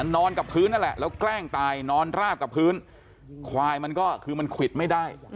นอนกับพื้นนั่นแหละแล้วแกล้งตายนอนราบกับพื้นควายมันก็คือมันควิดไม่ได้